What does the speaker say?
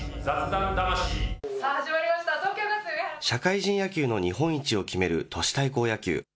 社会人野球の日本一を決める都市対抗野球。